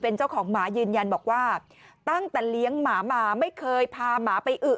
เป็นเจ้าของหมายืนยันบอกว่าตั้งแต่เลี้ยงหมามาไม่เคยพาหมาไปอึ